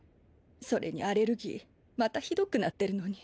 それにアレルギーまたひどくなってるのに。